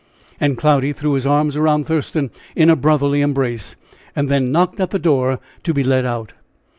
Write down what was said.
And Cloudy threw his arms around Thurston in a brotherly embrace, and then knocked at the door to be let out.